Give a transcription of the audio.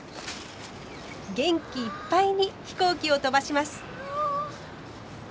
元気いっぱいに飛行機を飛ばします。